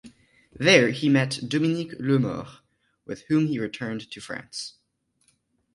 There he met Dominique Lemort, with whom he returned to France.